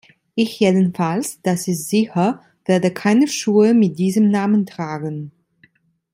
Ich jedenfalls, das ist sicher, werde keine Schuhe mit diesem Namen tragen.